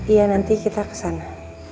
ia nanti kita kesana